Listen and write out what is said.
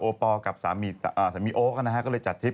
โอปอล์กับสามีโอ๊คก็เลยจัดทริป